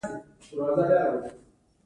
د هند د مغولو په دور کې وضعیت بل ډول و.